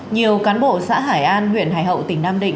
nhiều cán bộ xã hải an huyện hải hậu tỉnh nam định